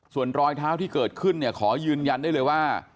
ส่วนรอยเท้าที่เกิดขึ้นเนี่ยขอยืนยันได้เลยว่า